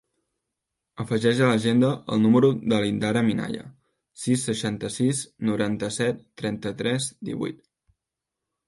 Afegeix a l'agenda el número de l'Indara Minaya: sis, seixanta-sis, noranta-set, trenta-tres, divuit.